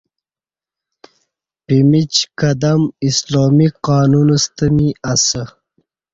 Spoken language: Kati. پمیچ قدم اسلامی ق انون ستہ می اسہ